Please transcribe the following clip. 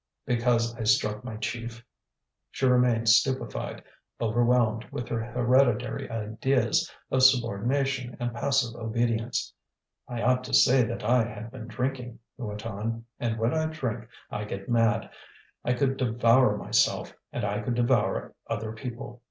"Because I struck my chief." She remained stupefied, overwhelmed, with her hereditary ideas of subordination and passive obedience. "I ought to say that I had been drinking," he went on, and when I drink I get mad I could devour myself, and I could devour other people.